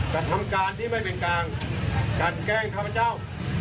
กระทำการที่ไม่เป็นกลางกันแกล้งข้าพเจ้า